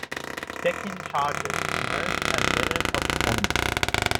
Deccan Chargers emerged as winners of the tournament.